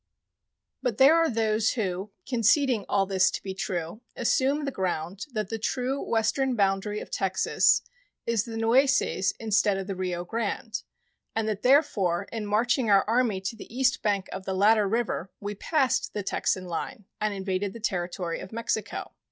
But there are those who, conceding all this to be true, assume the ground that the true western boundary of Texas is the Nueces instead of the Rio Grande, and that therefore in marching our Army to the east bank of the latter river we passed the Texan line and invaded the territory of Mexico.